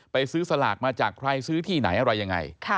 ซื้อสลากมาจากใครซื้อที่ไหนอะไรยังไง